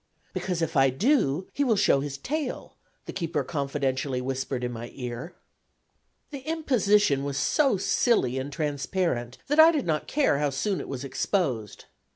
"Because, if I do, he will show his tail," the keeper confidentially whispered in my ear. The imposition was so silly and transparent that I did not care how soon it was exposed.